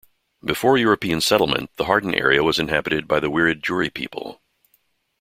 Before European settlement the Harden area was inhabited by the Wiradjuri people.